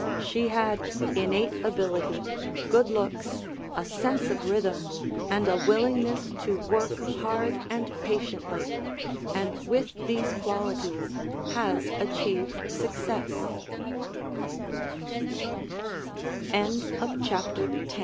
She had innate ability, good looks, a sense of rhythm and a willingness to work hard and patiently, and with these qualities has achie